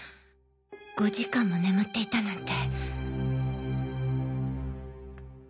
５時間も眠っていたなんて